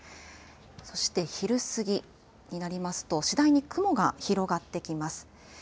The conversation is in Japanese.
そして昼過ぎ。になりますと次第に雲が広がってきます。